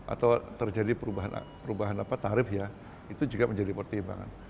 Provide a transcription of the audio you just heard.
atau terjadi perubahan tarif ya itu juga menjadi pertimbangan